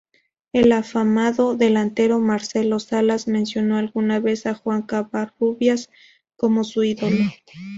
El afamado delantero Marcelo Salas, mencionó alguna vez a Juan Covarrubias como su ídolo.